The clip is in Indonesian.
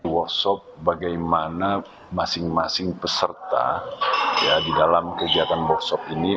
workshop bagaimana masing masing peserta di dalam kegiatan workshop ini